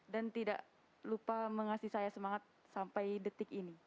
dan tidak lupa mengasih saya semangat sampai detik ini